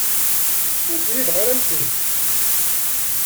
Ur ǧhideɣ ara am kemm.